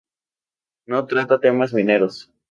No trata temas mineros.